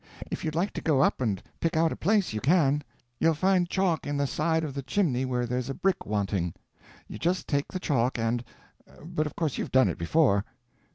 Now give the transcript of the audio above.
If you'd like to go up and pick out a place, you can. You'll find chalk in the side of the chimney where there's a brick wanting. You just take the chalk and—but of course you've done it before."